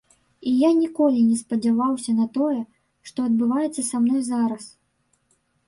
І я ніколі не спадзяваўся на тое, што адбываецца са мной зараз.